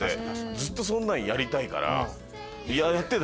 ずっとそんなんやりたいから。